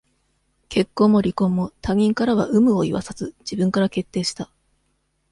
結婚も離婚も、他人からは、有無を言わさず、自分から決定した。